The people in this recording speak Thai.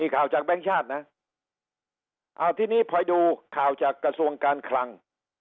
ข่าวจากแบงค์ชาตินะเอาทีนี้พอดูข่าวจากกระทรวงการคลัง